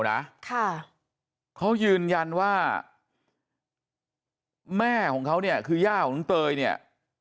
นะค่ะเขายืนยันว่าแม่ของเขาเนี่ยคือย่าของน้องเตยเนี่ย